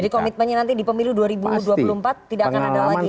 jadi komitmennya nanti di pemilu dua ribu dua puluh empat tidak akan ada lagi ya